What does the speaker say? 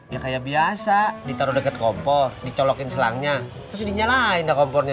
ya kayak biasa ditaro deket kompor dicolokin selangnya terus dinyalain dah kompornya